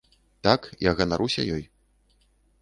Так, я ганаруся ёй.